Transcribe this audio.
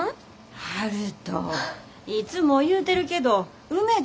悠人いつも言うてるけどうめづ